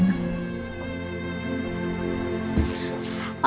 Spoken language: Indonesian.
makasih ya bu